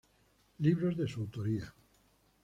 Libros de su autoría